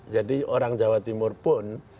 jadi orang jawa timur pun